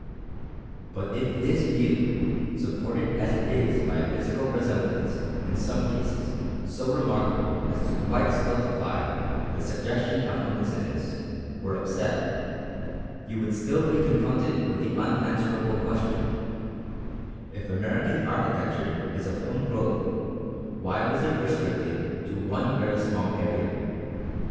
But if this view, supported as it is by a physical resemblance in some cases so remarkable as to quite stultify the suggestion of coincidence, were upset, you would still be confronted with the unanswerable question: If American architecture is of home growth, why was it restricted to one very small area?